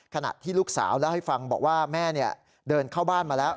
ขณะที่ลูกสาวเล่าให้ฟังบอกว่าแม่เดินเข้าบ้านมาแล้ว